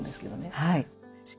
はい。